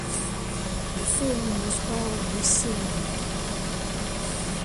The film was well received.